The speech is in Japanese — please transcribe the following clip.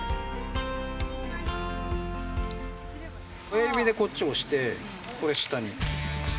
親指でこっち押してこれ下に。